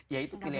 ya itu pilihan